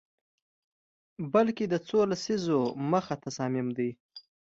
بلکه د څو لسیزو مخه تصامیم دي